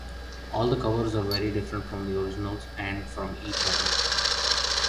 All the covers are very different from the originals - and from each other.